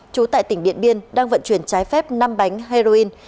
chú tại tỉnh biện biên đang vận chuyển trái phép năm bánh heroin